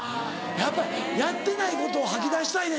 やっぱりやってないことを吐き出したいねんて。